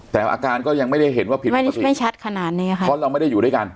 แต่อาการก็ยังไม่ได้เห็นว่าผิดไม่ชัดขนาดนี้ค่ะเพราะเราไม่ได้อยู่ด้วยกัน